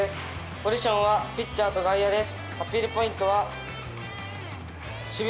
ポジションはキャッチャーと外野です。